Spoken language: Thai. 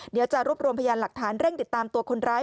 เดี๋ยวจะรวบรวมพยานหลักฐานเร่งติดตามตัวคนร้าย